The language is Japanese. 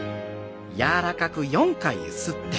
柔らかくゆすって。